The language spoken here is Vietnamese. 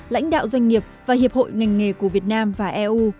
lãnh đạo doanh nghiệp và hiệp hội ngành nghề của việt nam và eu